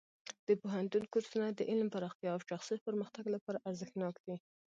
د پوهنتون کورسونه د علم پراختیا او شخصي پرمختګ لپاره ارزښتناک دي.